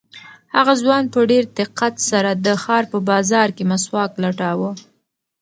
هغه ځوان په ډېر دقت سره د ښار په بازار کې مسواک لټاوه.